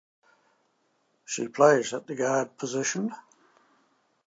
She plays at the Guard position.